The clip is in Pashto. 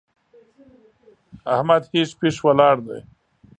احمد هېښ پېښ ولاړ دی!